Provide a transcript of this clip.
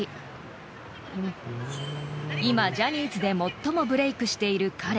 ［今ジャニーズで最もブレークしている彼］